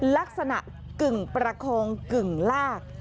ลักษณะกึ่งประคองกึ่งลาก